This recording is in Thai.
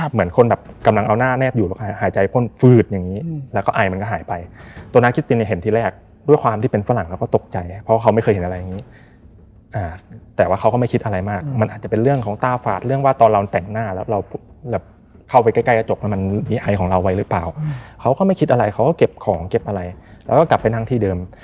เหมือนคนแบบกำลังเอาหน้าแนบอยู่แล้วหายใจพ่นฟืดอย่างนี้